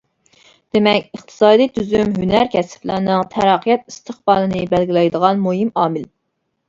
دېمەك، ئىقتىسادىي تۈزۈم ھۈنەر-كەسىپلەرنىڭ تەرەققىيات ئىستىقبالىنى بەلگىلەيدىغان مۇھىم ئامىل.